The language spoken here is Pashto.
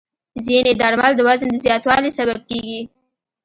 ځینې درمل د وزن د زیاتوالي سبب کېږي.